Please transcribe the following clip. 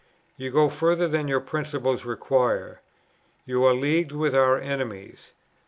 You go further than your principles require. You are leagued with our enemies.